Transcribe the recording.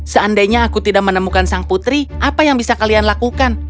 seandainya aku tidak menemukan sang putri apa yang bisa kalian lakukan